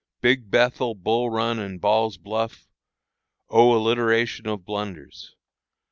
"Big Bethel, Bull Run, and Ball's Bluff, Oh, alliteration of blunders!